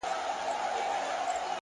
د کوټې خاموشي د شیانو غږونه څرګندوي.